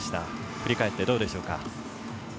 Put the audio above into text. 振り返ってどうでしょうか。